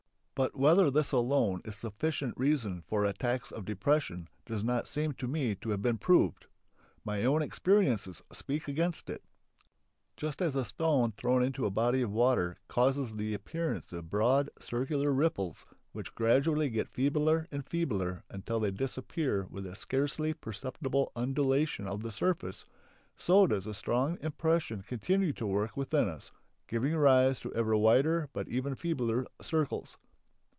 But whether this alone is sufficient reason for attacks of depression does not seem to me to have been proved. My own experiences speak against it. Just as a stone, thrown into a body of water, causes the appearance of broad circular ripples which gradually get feebler and feebler until they disappear with a scarcely perceptible undulation of the surface, so does a strong impression continue to work within us, giving rise to ever wider but ever feebler circles.